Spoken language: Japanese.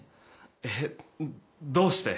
えっどうして？